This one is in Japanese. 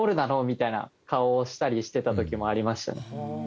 みたいな顔をしたりしてた時もありましたね。